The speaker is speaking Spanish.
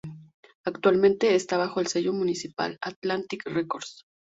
Actualmente está bajo el sello musical Atlantic Records.